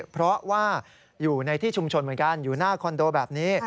เพราะว่าอยู่ในที่ชุมชนเหมือนกันอยู่หน้าคอนโดแบบนี้